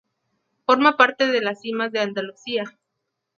Forma parte de las Cimas de Andalucía.